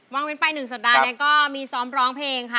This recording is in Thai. งเว้นไป๑สัปดาห์นี้ก็มีซ้อมร้องเพลงค่ะ